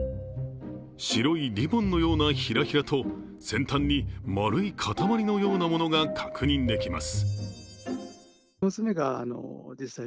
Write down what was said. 白いリボンのようなヒラヒラと、先端に丸いかたまりのようなものが確認できます。